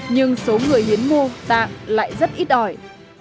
nhưng số người hiến mô tạng lại rất ít ỏi